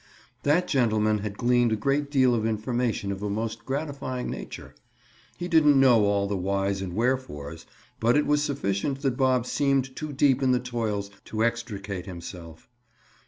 That gentleman had gleaned a great deal of information of a most gratifying nature. He didn't know all the whys and wherefores, but it was sufficient that Bob seemed too deep in the toils to extricate himself.